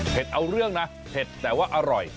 เอาเรื่องนะเผ็ดแต่ว่าอร่อย